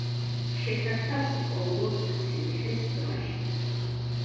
შესართავს პოულობს ციურიხის ტბაში.